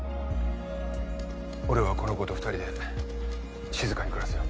俺はこの子と２人で静かに暮らすよ。